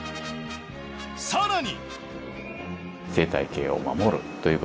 更に！